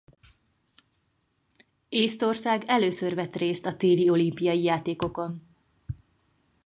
Észtország először vett részt a téli olimpiai játékokon.